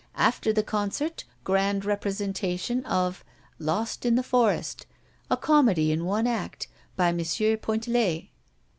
After the Concert, grand representation of Lost in the Forest, a Comedy in one act, by M. Pointellet.